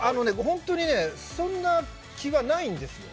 ホントにねそんな気はないんですよ